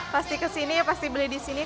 pasti kesini pasti beli disini